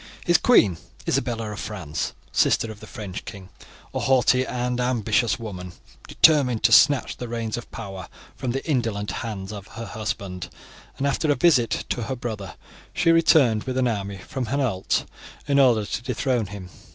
His queen, Isabella of France, sister of the French king, a haughty and ambitious woman, determined to snatch the reins of power from the indolent hands of her husband, and after a visit to her brother she returned with an army from Hainault in order to dethrone him.